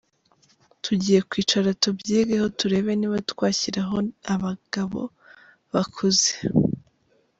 Tugiye kwicara tubyigeho turebe niba twashyiraho ab’abagabo bakuze.